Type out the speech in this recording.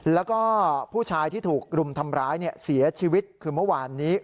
แล้วก็ผู้ชายที่ถูกรุมทำร้ายเสียชีวิตคือเมื่อวานนี้